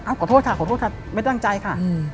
ขอโทษค่ะขอโทษค่ะไม่ตั้งใจค่ะ